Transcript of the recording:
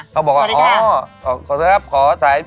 เขาบอกว่าอ๋อ